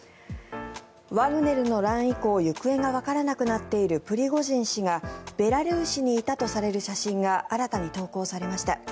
ワグネルの乱以降行方がわからなくなっているプリゴジン氏がベラルーシにいたとされる写真が新たに投稿されました。